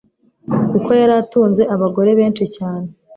kuko yari atunze abagore benshi cyane